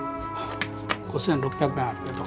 ５，６００円あるけど。